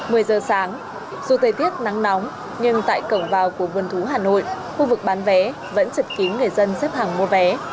một mươi giờ sáng dù tây tiết nắng nóng nhưng tại cổng vào của vườn thú hà nội khu vực bán vé vẫn chật kín người dân xếp hàng mua vé